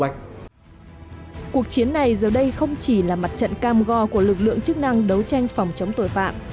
cuộc chiến này giờ đây không chỉ là mặt trận cam go của lực lượng chức năng đấu tranh phòng chống tội phạm